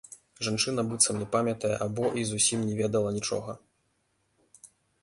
Жанчына быццам не памятае або і зусім не ведала нічога.